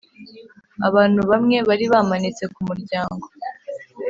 abantu bamwe bari bamanitse kumuryango.